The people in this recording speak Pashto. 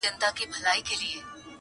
رخصتېږم تا پر خداى باندي سپارمه،